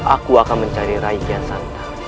aku akan mencari raja santa